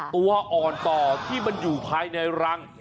ตัวอ่อนต่อที่มันอยู่ภายในรัง